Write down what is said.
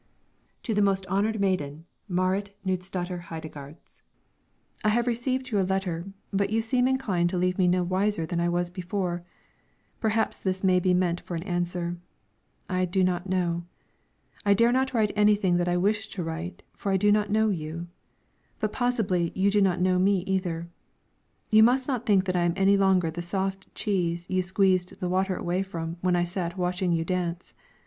TO THE MOST HONORED MAIDEN, MARIT KNUDSDATTER HEIDEGARDS: I have received your letter, but you seem inclined to leave me no wiser than I was before. Perhaps this may be meant for an answer. I do not know. I dare not write anything that I wish to write, for I do not know you. But possibly you do not know me either. You must not think that I am any longer the soft cheese you squeezed the water away from when I sat watching you dance.